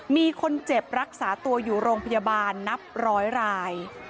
มีคนเจ็บรักษาตัวอยู่โรงพยาบาลนับร้อยราย